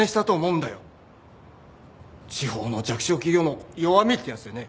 地方の弱小企業の弱みってやつでね。